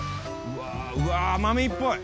うわ奄美っぽい。